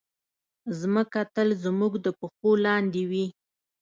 مځکه تل زموږ د پښو لاندې وي.